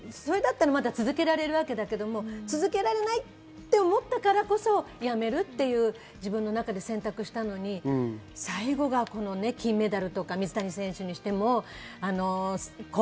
普通だったらまだ続けられるわけだけど、続けられないと思ったからこそやめるっていう自分の中で選択したのに最後は金メダル。